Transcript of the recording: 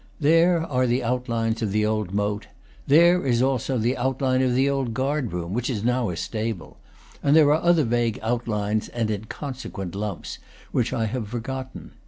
There are the outlines of the old moat; there is also the outline of the old guard room, which is now a stable; and there are other vague out lines and inconsequent lumps, which I have forgotten.